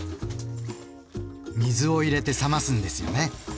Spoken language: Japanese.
水を入れて冷ますんですよね。